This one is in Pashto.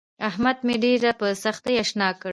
احمد مې ډېره په سختي اشنا کړ.